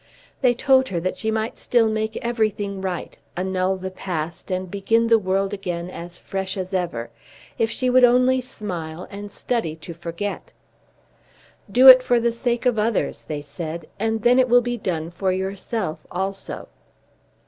They told her that she might still make everything right, annul the past and begin the world again as fresh as ever, if she would only smile and study to forget! Do it for the sake of others, they said, and then it will be done for yourself also.